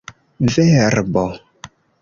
verbo